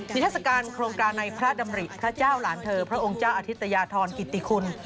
ทัศกาลโครงการในพระดำริพระเจ้าหลานเธอพระองค์เจ้าอธิตยาธรกิติคุณ